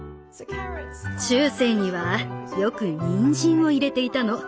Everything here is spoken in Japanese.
中世にはよくにんじんを入れていたの。